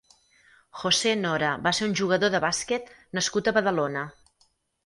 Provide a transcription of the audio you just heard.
José Nora va ser un jugador de bàsquet nascut a Badalona.